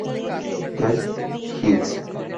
Esp. Hist.